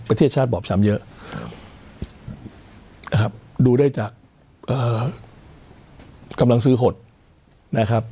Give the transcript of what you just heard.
ประเทศชาติบอบช้ำเยอะนะครับดูได้จากกำลังซื้อหดนะครับ